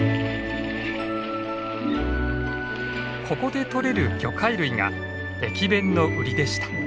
ここでとれる魚介類が駅弁のウリでした。